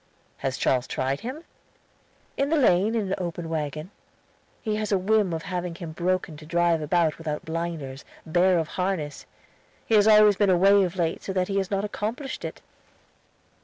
"Has Charles tried him?" "In the lane in an open wagon. He has a whim of having him broken to drive without blinders, bare of harness; he has been away so of late that he has not accomplished it."